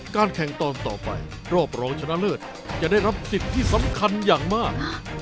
การแข่งตอนต่อไปรอบรองชนะเลิศจะได้รับสิทธิ์ที่สำคัญอย่างมาก